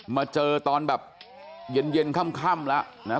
มาเจอตอนแบบเย็นค่ำแล้วนะ